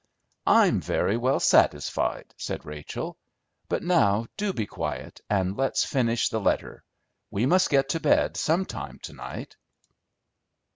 "I'm very well satisfied," said Rachel. "But now do be quiet and let's finish the letter. We must get to bed some time to night!"